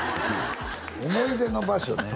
思い出の場所ね